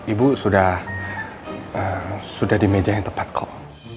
ibu sudah di meja yang tepat kok